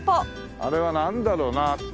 あれはなんだろうな？